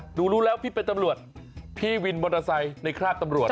รู้แล้วพี่เป็นตำรวจพี่วินมอเตอร์ไซค์ในคราบตำรวจ